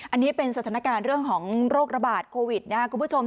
อันนี้เป็นสถานการณ์เรื่องของโรคระบาดโควิดนะครับคุณผู้ชม